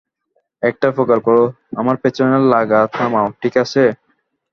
একটা উপকার করো, আমার পেছনে লাগা থামাও, ঠিক আছে?